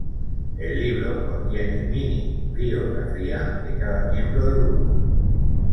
El libro contiene mini-briografía de cada miembro del grupo.